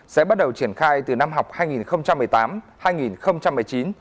sẽ bắt đầu triển khai từ năm học hai nghìn một mươi tám hai nghìn một mươi chín